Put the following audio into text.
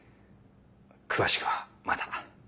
詳しくはまた。